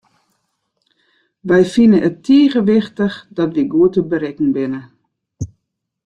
Wy fine it tige wichtich dat wy goed te berikken binne.